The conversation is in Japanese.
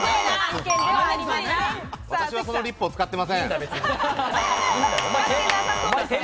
私はそのリップを使ってません。